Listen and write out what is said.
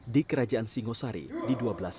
di kerajaan singosari di seribu dua ratus delapan puluh satu